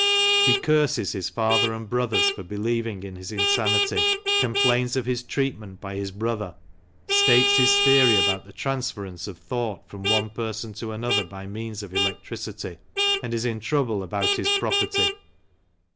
He curses his father and brothers for believing in his insanity, complains of his treatment by his brother, states his theory about the transference of thought from one person to another by means of electricity, and is in trouble about his property.